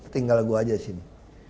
tinggal gua aja sini